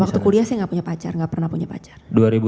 waktu kuliah saya nggak punya pacar gak pernah punya pacar